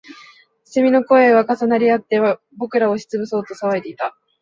蝉の声は重なりあって、僕らを押しつぶそうと騒いでいた